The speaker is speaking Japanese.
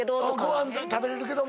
ご飯食べれるけども。